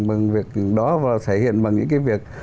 bằng việc đó và thể hiện bằng những cái việc